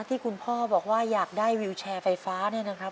ที่คุณพ่อบอกว่าอยากได้วิวแชร์ไฟฟ้าเนี่ยนะครับ